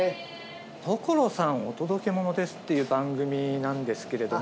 『所さんお届けモノです！』っていう番組なんですけれども。